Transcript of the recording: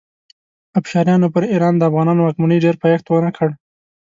افشاریانو پر ایران د افغانانو واکمنۍ ډېر پایښت ونه کړ.